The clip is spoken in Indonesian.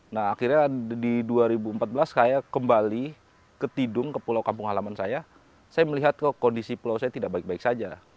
nah akhirnya di dua ribu empat belas saya kembali ke tidung ke pulau kampung halaman saya saya melihat kondisi pulau saya tidak baik baik saja